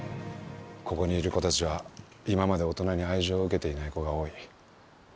ここにいる子たちは、今まで大人に愛情を受けていない子が多い。